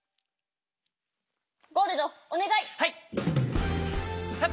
ゴールドおねがい！